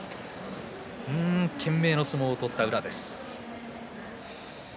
懸命の相撲を取った宇良です。